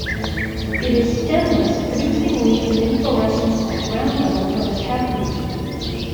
It is stemless, producing leaves and inflorescence at ground level from a taproot.